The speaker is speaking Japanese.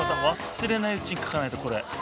忘れないうちに書かないとこれ。